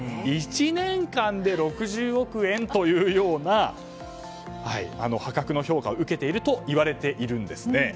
１年間で６０億円というような破格の評価を受けているといわれているんですね。